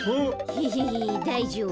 ヘヘヘだいじょうぶ。